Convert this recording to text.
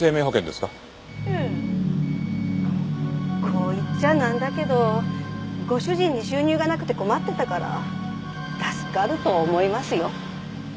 こう言っちゃなんだけどご主人に収入がなくて困ってたから助かると思いますよ。